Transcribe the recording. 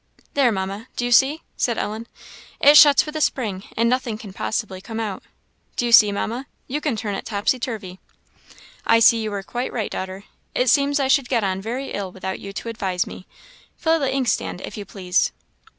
"There, Mamma do you see?" said Ellen. "It shuts with a spring, and nothing can possibly come out. Do you see, Mamma. You can turn it topsy turvy." "I see you are quite right, daughter; it seems I should get on very ill without you to advise me. Fill the inkstand, if you please."